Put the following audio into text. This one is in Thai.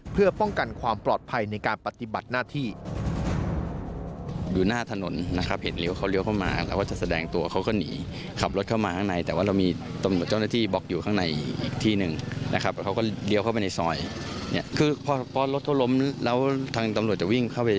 เพื่อป้องกันความปลอดภัยในการปฏิบัติหน้าที่